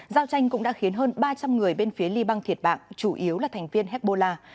giao tranh cũng đã khiến hơn ba trăm linh người bên phía liban thiệt mạng chủ yếu là thành viên hezbollah